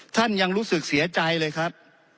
ท่านยังรู้สึกเสียใจเลยครับ